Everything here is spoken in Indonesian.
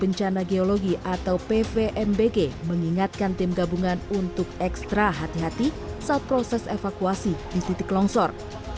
penyisiran di sana geologi atau pvmbg mengingatkan tim gabungan untuk ekstra hati hati saat proses evakuasi di titik langsor